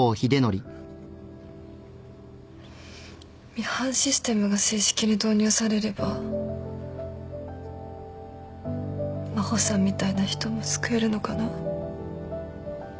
ミハンシステムが正式に導入されれば真帆さんみたいな人も救えるのかな？